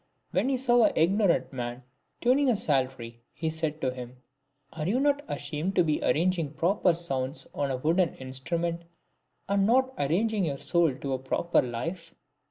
When he saw an ignorant man tuning a psaltery, he said to him, " Are you not ashamed to be arranging proper sounds on a wooden instrument, and not arranging your soul to a proper life